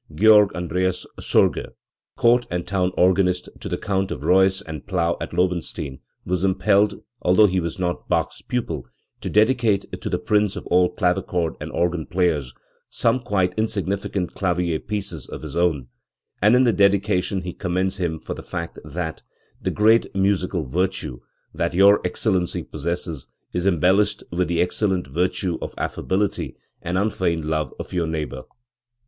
Georg Andreas Sorge, "court and town organist to the Count of Reuss and Plau at Lobenstein", was impelled, although he was not Bach's pupil, to dedicate to the "prince of all clavichord arid organ players" some quite insignificant clavier pieces of his own; and in the dedication he commends him for the fact that "the great musical virtue that your Excellency possesses is embel lished with the excellent virtue of affability and unfeigned love of your neighbour."